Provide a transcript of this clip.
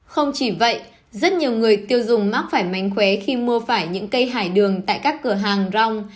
không chỉ vậy rất nhiều người tiêu dùng mắc phải mánh khóe khi mua phải những cây hải đường tại các cửa hàng rong